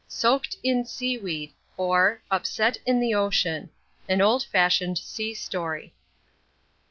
Soaked in Seaweed: or, Upset in the Ocean (_An Old fashioned Sea Story.